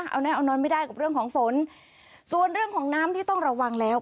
เอาแน่เอานอนไม่ได้กับเรื่องของฝนส่วนเรื่องของน้ำที่ต้องระวังแล้ว